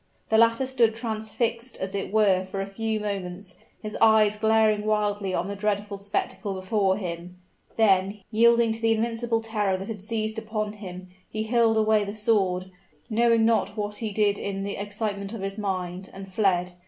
The latter stood transfixed as it were for a few moments, his eyes glaring wildly on the dreadful spectacle before him; then, yielding to the invincible terror that had seized upon him, he hurled away the sword knowing not what he did in the excitement of his mind, and fled!